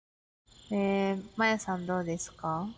マヤさんどうですか？